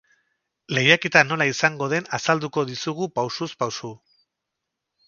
Lehiaketa nola izango den azalduko dizugu pausuz-pausu.